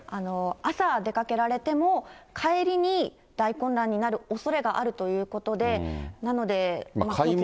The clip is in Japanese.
朝出かけられても、帰りに大混乱になるおそれがあるということで、なので。